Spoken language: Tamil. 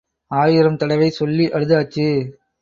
ஆயிரம் தடவை சொல்லி அழுதாச்சு.